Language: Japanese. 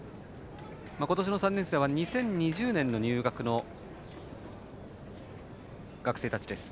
今年の３年生は２０２０年入学の学生たちです。